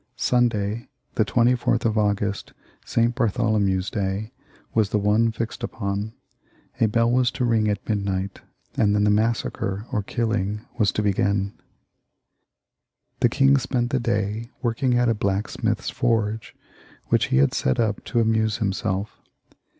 Sunday the 24th of August, St. Bartholomew's Day, was the one fixed upon ; a bell was to ring at midnight, and then the massacre or killing was to begin. The king spent the day working at a blacksmith's forge, which he had set up to amuse himself.